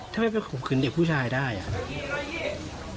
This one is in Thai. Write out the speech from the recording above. ทำไมเป็นคมคืนเด็กผู้ชายได้อ่ะ